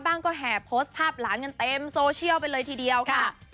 ก็แห่โพสต์ภาพหลานกันเต็มโซเชียลไปเลยทีเดียวค่ะ